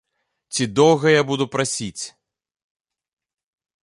Ці доўга я буду прасіць?